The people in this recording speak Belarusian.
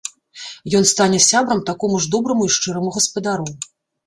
Ён стане сябрам такому ж добраму і шчыраму гаспадару.